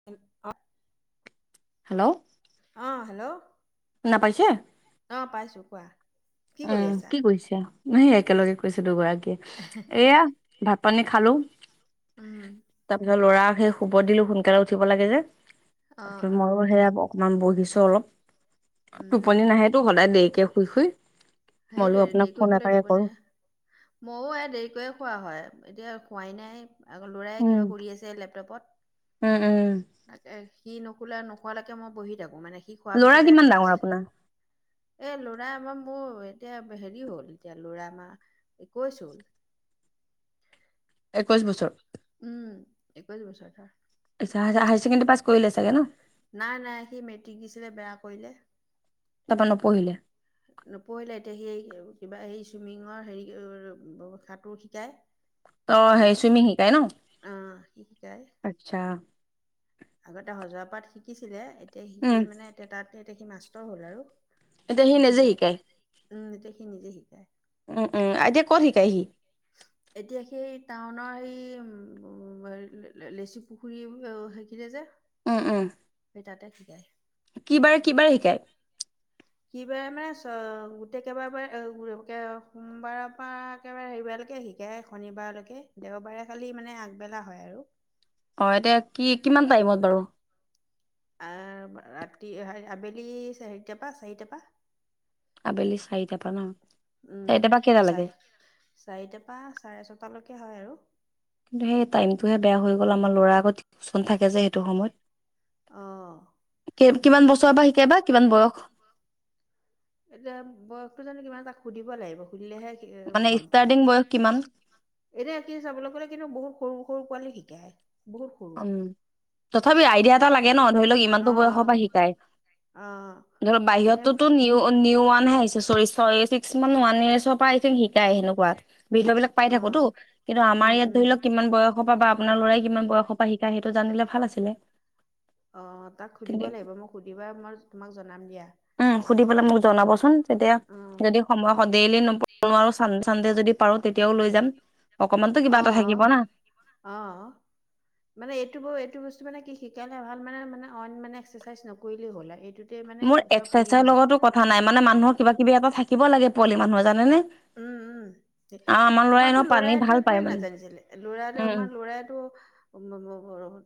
[inaudible] Hello অ'হেল্ল' শুনা পাইছে? অ'পাইছোঁ কোৱা? কি কৰি উম, আছা? কি কৈছে এই একেলগে কৈছে দুগৰাকীয়ে এয়া ভাত পানী খালোঁ। উম, তাৰপিছত ল'ৰাক সেই শুব দিলো, সোনকালে উঠিব লাগে যে, অঁ তাৰপিছত মইয়ো অঁ সেয়া অকমান বহিছো অলপ, উম টোপনি নাহেতো সদায় দেৰিকে শুই, শুই। মই বোলো সেইটো আপোনাক ফোন দেৰিকে শুলে এটাকে টোপনি কৰো। নাহে। মইয়ো এই দেৰিকয়ে খোৱা হয়, এতিয়া খোৱাই নাই। আকৌ ল'ৰাই উম, কিবা কৰি আছে, লেপটপত। উম, উম। তাকে সি নুখোলে নোখোৱালৈকে মই বহি থাকো মানে। সি শুৱাৰ ল'ৰা পিছতে কিমান ডাঙৰ আপোনাৰ? এই ল'ৰা এইবাৰ মোৰ এতিয়া হেৰি হ'ল, এতিয়া ল'ৰা আমাৰ। একৈছ হ'ল। একৈশ বছৰ। উম, একৈছ বছৰ ধৰা। যা, যা, হায় ছেকণ্ডেী পাছ কৰিলে চাগে ন? নাই, নাই সি মেট্ৰিক দিছিলে, বেয়া কৰিলে। তাৰপৰা নপঢ়িলে। নপঢ়িলে এতিয়া সেই, কিবা এই চুইমিঙৰ হেৰি সাঁতোৰ শিকায়। অ' হেৰি চুইমিং শিকাই ন? অ, শিকাই। আচ্ছা। আগতে হজৱা পাত শিকিছিলে, এতিয়া শিকি উম, মানে এতিয়া তাততে এতিয়া সি মাষ্টৰ হ'ল আৰু। সি শিকায় উম, এতিয়া সি নিজে শিকায়। উম, উম, এতিয়া ক'ত শিকাই সি? এতিয়া সেই টাউনৰ সেই, লেচি পুখুৰী সেইখিনিতে যে। উম, উম, সূই তাতে শিকায়। কি বাৰে, কি বাৰে শিকায়? সি বাৰে মানে, চ গোটেই কেইবাৰাৰে [inaudible] সোমবাৰৰ পৰা। একেবাৰে সেইবাৰলৈকে শিকাই, শনিবাৰলৈকে দেওবাৰে খালি মানে আগবেলা হয় আৰু। অ, এতিয়া কি, কিমান টাইমত বাৰু? আহ, ৰাতি আবেলি চাৰিটাৰ পৰা, চাৰিটাৰ পৰা। আবেলি চাৰিটাৰ পৰা ন? উম, চাৰিটাৰ পৰা কেইটালৈকে চাৰ, চাৰিট পৰা চাৰে ছটালৈকে হয় আৰু। কিন্তু সেই টাইমতটোহে বেয়া হৈ গ'ল, আমাৰ ল'ৰা আকৌ টিউচন থাকে যে, সেইটো সময়ত। অ'। কিমান বছৰৰ পৰা শিকাই বা কিমান বয়স? এতিয়া বয়সতো জানো কিমান তাক সুধিব লাগিব, সুধিলেহে। মানে গম পাম। ষ্টাৰ্টিং বয়স কিমান? এতিয়া কি চাবলৈ গ'লে কিন্তু, বহুত সৰু সৰু পোৱালী শিকায় বহুত সৰু। উম তথাপি আইডিয়া এটা লাগে ন, ধৰি লওক ইমানতো অ', বয়সৰ অ', পৰা শিকাই। অ'। ধৰ এনে বাহিৰতোতোন নিও, নিও, ওৱানহে আহিছে, ছয়, ছয় মান ওৱান ইয়ৰ পৰা শিকাই সেনেকুৱা, বিষয় বিলাক পাই থাকোতো, অ', কিন্তু আমাৰ উম, ইয়াত ধৰি উম। লওঁক কিমান বয়স বা, পৰা বা আপোনাৰ ল'ৰাই কিমান বয়স শিকায়, সেইটো জানিলে ভাল আছিলে। অ, তাক সুধিব কিন্তু লাগিব, মোক সুধিবা মই তোমাক জনাম দিয়া। উম, সুধি পেলাই মোক জনাবচোন তেতিয়া অ', যদি সময় সদেইলি নপ, নোৱাৰো চান, চানদে যদি পাৰো তেতিয়াও লৈ যাম। অকমানতো কিবা অ, এটা থাকিব না অহ। মানে এইটো ব এইটো বস্তু মানে কি শিকাইে ভাল মানে মানে অইন মানে এক্সাইজ নকৰিলেই হ'ল এইটো। টো মানে মোৰ চব হেৰি এক্সাৰচাইজৰ হৈ যায়। লগতো কথা নাই মানে মানুহৰ কিবা কিবি এটা থাকিব লাগে পোৱালি মানুহৰ জানা নে। উম উম আমাৰতো ল'ৰাইতো একোৱে মানে নাজানিছিলে ল'ৰাটো উম আমাৰ ল'ৰাইটো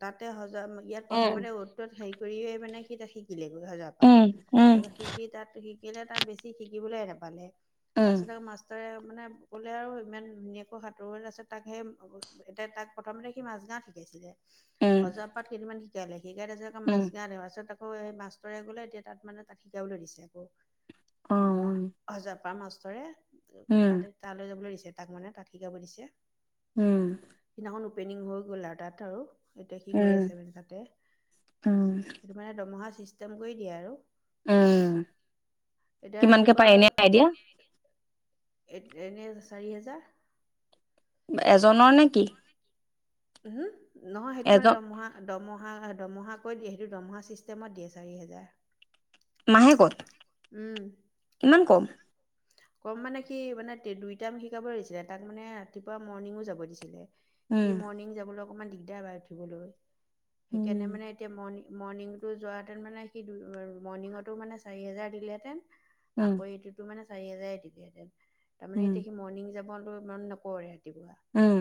তাতে সজা ইয়াত উম প্ৰথমতে অত টোত হেৰি কৰিয়ে মানে সি এতিয়া শিকিলেগৈ সজাত। উম উম তাৰপিছত শিকি তাত শিকিলে তাত বেছি শিকিবলৈ নাপালে উম তাৰপিছতে মাষ্টৰে মানে কলে আৰু ইমান ধুনীয়াকৈ সাঁতোৰ আছে তাক সেই এতিয়া তাক প্ৰথমতে সি মাছ গাওঁত শিকাইছিলে উম উম সজৰা পাত কেইদিনমান শিকালে শিকাই তাৰপাছত উম মাছ গাঁৱত তাৰপিছত আকৌ মাষ্টৰে গলে এতিয়া তাত মানে তাত শিকাবলৈ দিছে আকৌ অ তাৰমানে সজা পৰা মাষ্টৰে উম তাতে তালৈ যাবলৈ দিছে তাক মানে তাত শিকাব দিছে হোম সিদিনাখন অপেনিং হৈ গ'ল আৰু তাত আৰু এতিয়া সি গৈ উম আছে মানে তাতে উম সেইটো মানে দৰমহা চিষ্টেম কৰি দিয়ে আৰু উম এতিয়া কিমানকে ৰাতিপুৱা পায় এনে আইডিয়া এ এনে চাৰি হেজাৰ এজনৰ নে কি উম নহয় সেইটো মানে এজন দৰমহা দৰমহা দমহাকৈ দিয়ে সেইটো দৰমহা ছিষ্টেমত দিয়ে চাৰি হেজাৰ মাহেকত উম ইমান কম কম মানে সি মানে দুই টাইম শিকাব লাগিছিলে তাক মানে ৰাতিপুৱা মৰ্ণিঙো যাব দিছিলে সি উম মৰ্ণিং যাবলৈ অকণমান দিগদাৰ পাই উঠিবলৈ উম সেইকাৰণে মানে এতিয়া মৰ্ণিং মৰ্ণিঙটো যোৱা হেতেন মানে সি মৰ্ণিঙতো মানে চাৰি হেজাৰ দিলে হেতেন উম আকৌ এইটোতো মানে চাৰি হাজাৰ দিলে হেঁতেন তাৰমানে উম এতিয়া সি মৰ্ণিং যাব [unintelligible] কৰে ৰাতিপুৱা উম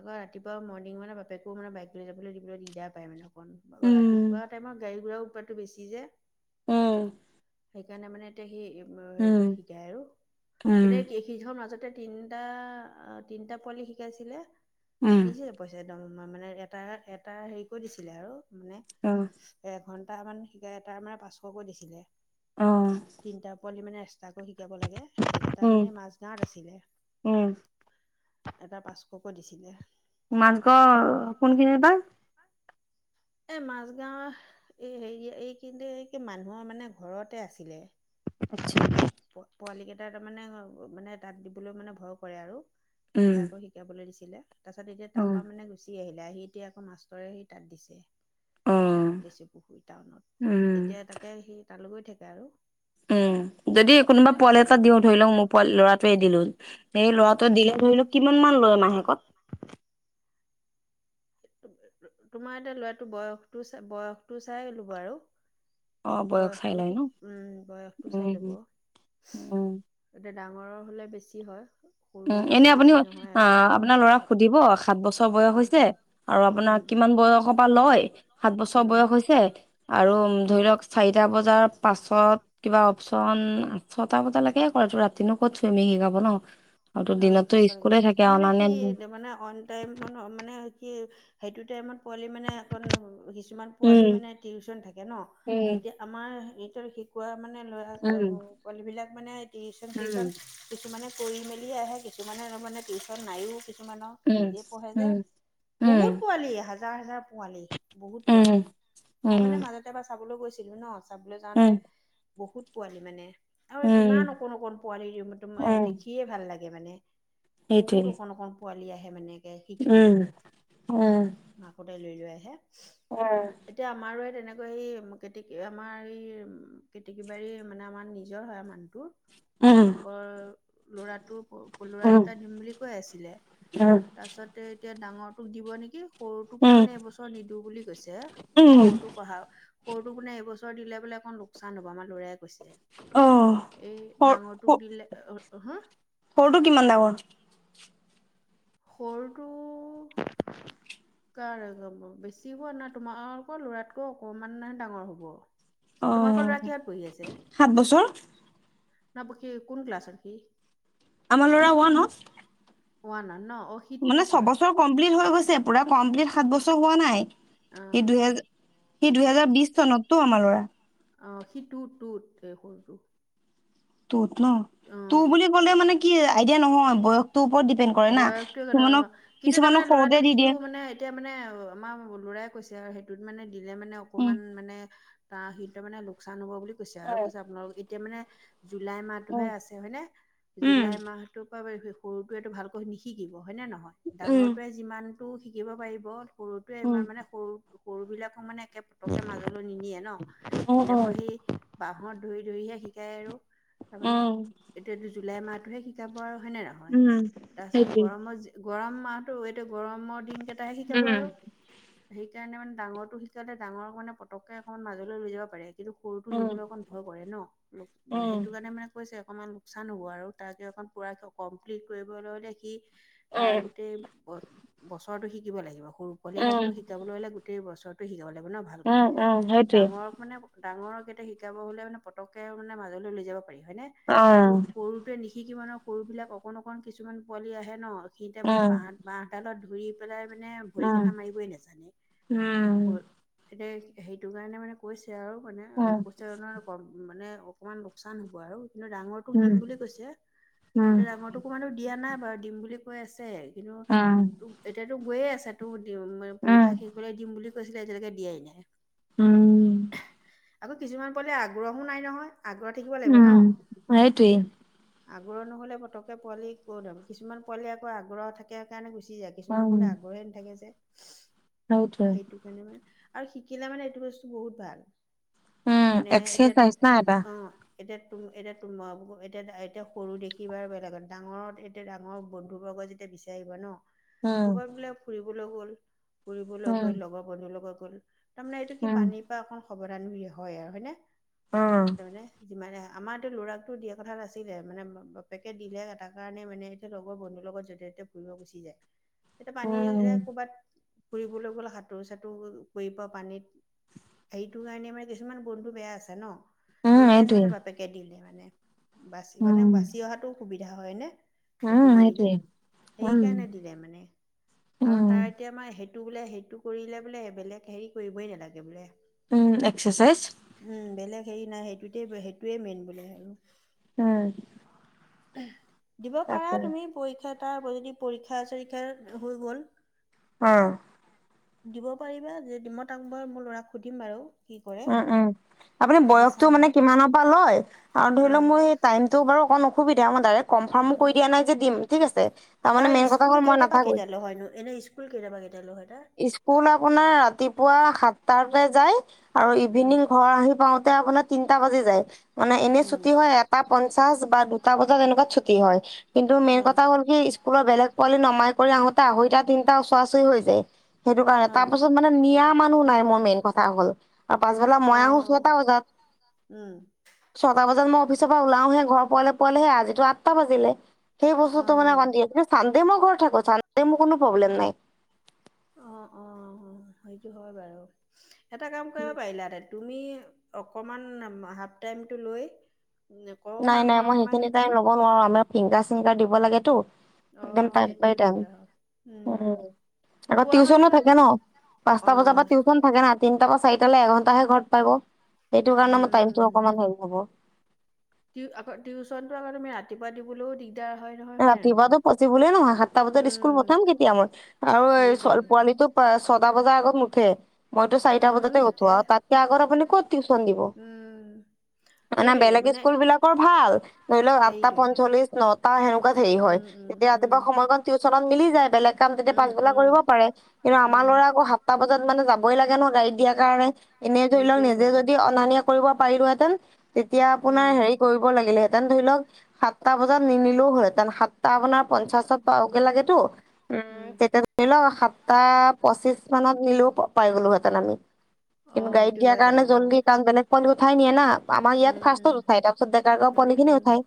আকৌ ৰাতিপুৱা মৰ্ণিং মানে বাপেকো মানে বাইক লৈ যাবলৈ দিবলৈ দিগদাৰ পায় মানে অকণ ৰাতি পুৱা টাইমত গাড়ীগোৰা উতপাতটো অলপ বেছি যে উম সেইকাৰণে মানে এতিয়া সেই হেৰি কৰি শিকাই আৰু এতিয়া কি সিহৰৰ মাজতে তিনিটা তিনিটা পোৱালি শিকাইছিলে দিছে পইচা একদম মানে এটা এটা হেৰি কৰি দিছিলে আৰু মানে উম এঘন্টামান শিকায় তাৰ মানে পাঁচশকৈ দিছিলে অ তিনিটা পোৱালি মানে এক্সট্ৰাকৈ শিকাব লাগে সেইকেইটা মানে মাজ গাঁৱত আছিলে এটা পাঁচশকৈ দিছিলে মাজগৰ কোনখিনি বা এই মাজগাওঁ এই হেৰি এই কিন্তু এই কি মানুহৰ মানে ঘৰতে আছিলে আচ্ছা তাৰমানে প পোৱালি কেইটা তাৰমানে মানে তাত দিবলৈ মানে ভয় কৰে আৰু উম, এক্সট্ৰা কৈ শিকাবলৈ দিছিলে তাৰপাছত এতিয়া উম, তাপা মানে গুচি দি আহিলে আহি এতিয়া আক মাষ্টৰে সি তাত দিছে উম, লেচুপুখুৰী টাউনত উম, তেতিয়া তাকে সেই তালৈ গৈ থাকে আৰু উম যদি কোনোবা পোৱালি এটা দিও ধৰি লওক মোৰ প লৰাটোৱে দিলো সেই অ ল'ৰাটোৱে দিলে ধৰিলো কিমানমান লয় মাহেকত তোমাৰ এতিয়া লৰাটো বয়স বয়সতটো চাইলো লব আৰু অ', বয়স চাই বয়সটো লয় ন? উম বয়সটো চাই লব উম, উম। তাতে ডাঙৰৰ হলে বেছি হয় উ সৰু এনে মানে আপুনি বেছি অ নহয় আৰু। আপোনাৰ লৰাক সুধিব সাত বছৰ বয়স অ হৈছে আৰু উম। আপোনাক কিমান বয়সৰ পৰা লয় সাত বছৰ উম। বয়স হৈছে আৰু ধৰি লওক চাৰিটা বজাৰ পাছত কিবা অপশচন ছটা বজালেকে কৰে ৰাতিনো ক'ত চুইমি শিকাব ন। আৰুতো ওম দিনততো ছয়টালে স্কুলে থাকে তাৰমানে অনা কি নিয়া জামানে অন টাইম মন মানে সেইতো টাইমত পোৱালি মানে অকন কিমান পোৱালি উম, মানে টিউচন থাকে ন উম, এতিয়া আমাৰ ইহঁতৰ পোৱা মানে ল'ৰা উম, পোৱালী বিলাক মানে টিচন উম, চিচন কিছুমানানে কৰি মেলি দি আহে কিছুমানে মানে টিউচন নাইও কিছুমানৰ নিজে পঢ়ে যে উম, বহুত উম, পোৱালি হাজাৰ হাজাৰ পোৱালি। বহুত উম, উম, পোৱালি মই মানে উম, মাজতে এবাৰ চাবলৈ গৈছিলো ন চাবলৈ যাওঁতে উম, বহুত পোৱালি মানে আৰু উম, কিমান অকণ অকণ পোৱালি সেইমতে উম, দেখিয়ে ভাল লাগে। মানে বহুত সেইটোৱে অকণ অকণ পোৱালি আহে মানে উম, শিকিবলো উম, মাকহতে লৈ লৈ আহে। উম! এতিয়া আমাৰো এই তেনেকৈ এই কেতেকী আমাৰ এই কেতিক বাৰী মানে আমাৰ নিজৰ হয় মানুহজনৰ টুপ উম, মাহীয়েকৰ ল'ৰাটোৰ পলোৰা উম, দুটা দিম বুলি কৈ আছিলে উম, তাৰ পাছতে এতিয়া ডাঙৰ তোক দিব নেকি? সৰুটোক তাৰমানে উম, এবছৰ নিদিওঁ বুলি কৈছে উম। সৰুটোক। পঢ়া সৰুটোক কোনে এইবছৰ দিলে বোলে অকণ লোকচান হব আমাৰ লৰায়ই অ', কৈছে এই সৰ স ডাঙৰটোক দিলে এ অ হো সৰুটো কিমান দাঙৰ সৰুটো [unintelligible] কাৰ ওখহব বেছি হোৱা নাই তোমালোকৰ ল'ৰাতকৈ অকণমান ডাঙৰ হ'ব। তোমালোকৰ ল'ৰাৰ অ', কিহত পঢ়ি সাত বছৰ আছে? না কোন ক্লাছত সি আমাৰ ল'ৰা ওৱানত। ওৱানত ন অঁ সি মানে ছয় টুত হয়। বছৰ কমপ্লিট হৈ গৈছে পুৰা কমপ্লিট সাত বছৰ হোৱা নাই অ সি দুহেজাৰ সি দুহেজাৰ বিশ চনততো আমাৰ ল'ৰা। অঁ সি টুত টুত সৰুটো টুত ন টুত বুলি অ ক'লে মানে কি আইডিয়া নহয় বয়সতো ওপৰত ডিপেণ্ড কৰে না বয়সতোৰ কতে অ কিছুমানক কিন্তু কিছুমানক তাৰমানে সৰুতে ল'ৰাটো দি যিটো দিয়ে মানে এতিয়া মানে আমাৰ লৰাই কৈছে আৰু সেইটোত মানে দিলে মানে উম। অকমান মানে তাৰ সেইটো মানে লোকচান হব বুলি কৈছে আৰু কৈছে আপোনালোক এতিয়া মানে জুলাই মাহটোহে উম, আছে হয়নে। উম, জুলাই মাহটোৰ পৰা সৰুটোৱেটো ভালকৈ নিশিকিব হয়নে নহয় উম, ডাঙৰটোৱে যিমানটো শিকিব পাৰিব। সৰুটোৱে উম, ইমান মানে সৰু সৰু বিলাকক মানে একেপ পতকে মাজলৈ নিনিয়ে ন, উম, উম, এনেকুৱা সি বাহত ধৰি ধৰিহে শিকায় আৰু। তাৰমানে উম। এতিয়াটো জুলাই মাহটোহে শিকাব আৰু হয়নে নহয়। উম। তাই সেইটোৱে গৰমৰ গৰম মাহতোএইটো গৰমৰ দিন কেইটাহে শিকাব উম, আৰু। সেইকাৰণে মানে ডাঙৰটো শিকাওতে ডাঙৰটো মানে পতকে অকণমান মাজলৈ লৈ যাব পাৰে। কিন্তু সৰুটো উম, নিবলৈ অকণ ভয় কৰে ন। অলপ মানে উম, সেইটো কাৰণে মানে কৈছে অকণমান লোকচান হ'ব আৰু তাৰকে অকণ পূৰাকে কমপ্লিট কৰিবলৈ হ'লে সি তাৰ উম, গোটেই বছৰটো শিকিব লাগিব। সৰু পোৱালি উম, এতাকতো শিকাবলৈ হ'লে গোটেই গোটেই বছৰটোয়ে শিকাব লাগিব ন ভালক উম, উম, সেইটোৱে। ডাঙৰক মানে ডাঙৰকেইটা শিকাব হ'লে মানে পতকে মানে মাজলৈ লৈ যাব পাৰি হয়নে কিন্তু উম, সৰু সিটোৱে নিশিকিব ন। সৰুবিলাক অকণ অকণ কিছুমান পোৱালি আহে ন সিতে মানে বাঁহ বাঁহডালত ধৰি পেলাই মানে ভৰি কেইটা মাৰিবই নেজানে। এ সেইটো কাৰণে মানে কৈছে আৰু মানে অফিচাৰ মানে অকণমান লোকচান হ'ব আৰু কিন্তু ডাঙৰ তোক দিম বুলি কৈছে। ডাঙৰটোকো মানে দিয়া নাই বাৰু দিম বুলি কৈ আছে। কিনো [unintelligible] এতিয়াতো গৈয়ে আছে তোৰ দিম পৰীক্ষা শেষলে দিম বুলি কৈছিলে আজিলৈকে দিয়াই নাই। উম। আকৌ কিছুমান পোৱালি আগ্ৰহো নাই নহয়। আগ্ৰহ থাকিব লাগিব ন। সেইটোৱে আগ্ৰহ নহ'লে পতকে পোৱালি ক'ত আও। কিছুমান পোৱালি আকৌ আগ্ৰহ থাকে কাৰণে গুচি যায়। কিছুমান উম, পোৱালি আগ্ৰহে নথাকে যে সেইটোৱে সেইটো কেনেবা আৰু শিকিলে মানে এইটো বস্তু বহুত ভাল। উম, মানে এতিয়া তু এক্সাৰচাইজ না এটা অ এতিয়া তুম এতিয়া তুম আউ এতিয়া এতিয়া সৰু দেখি বা বেলেগত ডাঙৰত এতিয়া ডাঙৰ বন্ধু বৰ্গই যেতিয়া বিচাৰিব আহিব ন উম, ক'ৰবাত বোলে ফুৰিবলৈ গ'ল, ফুৰিবলৈ উম, গৈ লগৰ বন্ধু লগত গ'ল। তাৰমানে এইটো কি উম, পানী অকণ সবধান হৈয়ে হয় আৰু হয়নে। উম, তাৰমানে যিমানে আমাৰটো ল'ৰাকটো দিয়া কথা নাছিলে। মানে বাপেকে দিলে তাৰ কাৰণে মানে এতিয়া লগৰ বন্ধুৰ লগত য'তে ত'তে ফুৰিব গুচি যায়। এতিয়া পানী উম, ক'ৰবাত ফুৰিবলৈ গ'ল সাঁতোৰ-চাঁতোৰ কৰিব পানীত এইটো কাৰণে মানে কিছুমান বন্ধু বেয়া আছে ন, উম, সেইকাৰণে সেইটোৱে মানে বাপেকে দিলে মানে। বাচি মানে উম, বাচি অহাতো সুবিধা হয় নে। উম, সেইটো কৰিলে। সেইটোৱে উম, সেইকাৰণে দিলে মানে আৰু উম, তাই এতিয়া আমাৰ সেইটো বোলে সেইটো কৰিলে বোলে বেলেগ হেৰি কৰিবই নালাগে বোলে। উম এক্সচাইজ। উম বেলেগ হেৰি নাই সেইটোতে সেইটোৱে মেইন বোলে আৰু। উম। দিব পাৰা তাকে তুমি পৰীক্ষা তাৰ যদি পৰীক্ষা-চৰীক্ষা হৈ গ'ল। অ। দিব পাৰিবা যে দিম তাক বাৰ মোৰ ল'ৰাক সুধিম বাৰু। কি কৰে উম উম আপুনি সুধি বয়সতটো চাম মানে বাৰু কিমানৰ পৰা লয় আৰু ধৰি অ লওক মোৰ সেই টাইমতো বাৰু অণ অসুবিধা মই দাৰেক কনফাৰ্মো কৰি দিয়া নাই যে দিম ঠিক আছে। তাৰমানে মেইন কথা হ'ল মই নাথাকো। নহয়নো এনেই স্কুল কেইটা পৰা কেইটালৈ হয় তাৰ? স্কুল আপোনাৰ ৰাতিপুৱা সাতটাতে যায় আৰু উম ইভিনিং ঘৰ আহি পাওঁতে আপোনাৰ তিনটা বাজি যায়, মানে এনেই ছুটি হয় এটা পঞ্চাশ বা দুটা বজাত এনেকুৱাত ছুটি হয়। কিন্তু মেইন কথা হ'ল কি স্কুলৰ বেলেগ পোৱালি নমাই কৰি আহোঁ‌তে আঢ়ৈতাৰ তিনিটা ওচৰা-ওচৰি হৈ যায়। সেইটো কাৰণে, উম অ তাৰ পাছত মানে নিয়া মানুহ নাই মোৰ মেইন কথা হ'ল, আৰু পাছবেলা অ মই আহো অ ছটা বজাত। উম। ছটা বজাত মই অফিচৰ পৰা ওলওহে ঘৰ পোৱালে পোৱালেহে আজিটো আঠটা বাজিলে। সেই বস্তুটো মানে অ বান্ধি আছে, চান্দে মই ঘৰত থাকো চান্দে মোৰ কোনো প্ৰব্লেম নাই। অ'-অ' সেইটো হয় বাৰু, এটা কাম কৰিব পাৰিলা হেতেন। তুমি অকণমান হাফ টাইমটো লৈ নাই অকমান নাই ভৰ মই সোমাই সেইখিনি টাইম হম লব নোৱাৰোঁ‌, আমাৰ ফিংগাৰ চিংগাৰ দিব লাগেতো। একদম অ', টাইম বাই সেইটোও টাইম, দিগদাৰ হ'ল। উম। আকৌ থোৱা টিউশচনো মানুহ থাকে ন, পাঁচটা বজাৰ অ', পৰা টিউশচন থাকে না তিনিটা বা চাৰিটালৈ এঘন্টাহে ঘৰত পাব, সেইটো কাৰণে মোৰ উম। টাইমটো অকমান হেৰি হ'ব। টিউ আকৌ টিউচনটো আকৌ তুমি ৰাতিপুৱা দিবলৈও দিগদাৰ হয়। নহয় হয়নে নহয়? ৰাতিপুৱাটো পচিবলে নহয়, সাতটা বজাত স্কুল উম পঠাম কেতিয়া মই? আৰু এই সেইটোৱেই। পোৱালিটোক ছটা বজাৰ আগত নুঠে। মইটো উম চাৰিটা উম বজাতে নুঠে। উঠোঁ, আৰু তাতকে আগত আপুনি ক'ত টিউচন দিব? উম মানে বেলেগ স্কুল বিলাকৰ ভাল, ধৰি লওক আঠটা এইটোৱেটো পঞ্চল্লিশ, ন তেনেকুৱাত হেৰি হয়, উম উম তেতিয়া উম। ৰাতিপুৱা সময়কন টিউচনত মিলি যায়, বেলেগ কাম তেতিয়া উম পাচবেলা উম কৰিব পাৰে। কিন্তু আমাৰ উম। ল'ৰা আক' সাতটা বজাত মানে যাবই লাগে ন গাড়ী দিয়াৰ কাৰণে, এনেই ধৰি লওক সেইটোৱে নিজে হ'লতো। যদি অনা নিয়া কৰিব পাৰিলোহেঁতেন, তেতিয়া আপোনাৰ উম হেৰি কৰিব লাগিলেহেতেন ধৰি লওক সাতটা বজাত নিনিলেও হয় তেন, সাতটা আপোনাৰ পঞ্চাশত পাবগে লাগেতো, উম, তেতিয়া নিলো, সাতটা পঁচিশ মানত নিলেও পাই গ'লো হেতেন আমি। অ কিন্তু গাড়ীত সেইটো দিয়াৰ হয় বাৰু কাৰণে অ জল্দি কাম বে পুৱালি উঠাই নিয়ে না, আমাৰ ইয়াত উম উম ফাৰ্ষ্টত উঠাই তাৰিছত ডেকাৰ গাঁও উম পুৱালি খিনি উম উঠায়।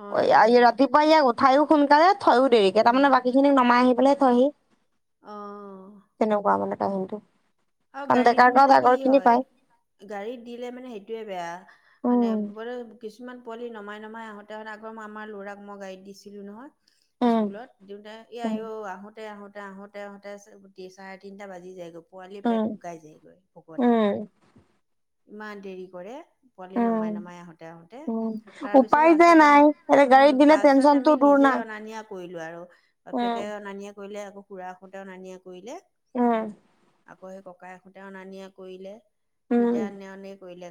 অ সেইটো হয় বাৰু ৰাতিপুৱা ইয়াক উঠায়ো সোনকালে থয়ো দেৰিকে, উম তাৰমানে বাকী খিনিক নমাই আহি পেলাই থয়হি। অ তেনেকুৱা মানে কাহিনিটো, আৰু কাৰণ গাড়ীত ডেকা মানে গাঁৱত কি আগৰ খিনি হয় পায়। গাড়ীত দিলে মানে সেইটোৱে বেয়া। মানে উম গ কিছুমান পোৱালি নমাই নমাই আহোঁ‌তে আহোঁতে, আগৰ মই আমাৰ ল'ৰাক মই গাড়ীত দিছিলোঁ নহয়। উম স্কুলত দিওঁতে, ই আই উম ঔ আহোঁ‌তে-আহোঁ‌তে-আহোঁ‌ত আহোঁ‌তে-আহোঁ‌তে চাৰে তিনিটা বাজি যায় গৈ, পোৱালি পেট উম শুকাই যায়গৈ ভুকতে, উম ইমান দেৰি কৰে। পোৱালি উম নমাই নমাই আহোঁতে আহোঁতে, উম তাৰপিছত উপায় যে লাষ্টত আমি, নাই এতিয়া উম গাড়ীত দিলে লাষ্টত আ টেনচনটো আমি দূৰ নিজে না অনা নিয়া কৰিলোঁ‌ আৰু, উম বাপেকে অনা নিয়া কৰিলে, আকৌ খুৰাক হঁ‌তে অনা নিয়া কৰিলে। উম। আকৌ সেই ককায়েক হঁ‌তে অনা নিয়া কৰিলে, উম সিতে আনা অনি কৰিলে।